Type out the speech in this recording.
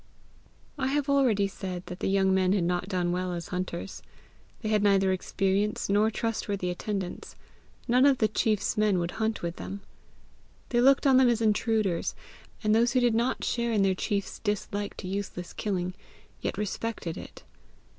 I have already said that the young men had not done well as hunters. They had neither experience nor trustworthy attendance: none of the chief's men would hunt with them. They looked on them as intruders, and those who did not share in their chiefs dislike to useless killing, yet respected it.